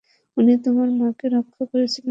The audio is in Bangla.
উনি তোমার মাকে রক্ষা করছিলেন।